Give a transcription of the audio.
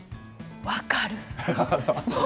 分かる。